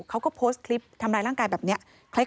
เขาก็โพสต์คลิปทำร้ายร่างกายแบบนี้